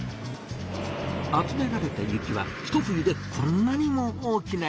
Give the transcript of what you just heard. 集められた雪はひと冬でこんなにも大きな雪山に！